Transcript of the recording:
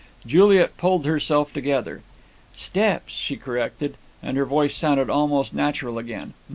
Juliet pulled herself together. "Steps," she corrected, and her voice sounded almost natural again.